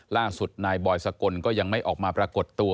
ล่าสุดนายบอยสกลก็ยังไม่ออกมาปรากฏตัว